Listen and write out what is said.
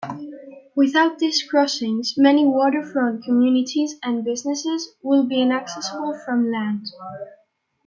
Without these crossings many waterfront communities and businesses would be inaccessible from land.